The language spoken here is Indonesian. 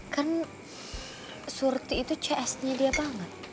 kan surti itu csnya dia banget